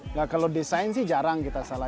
ya kalau desain sih jarang kita salah